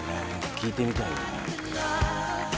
聞いてみたいよね。